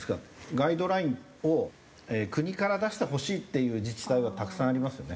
ガイドラインを国から出してほしいっていう自治体はたくさんありますよね。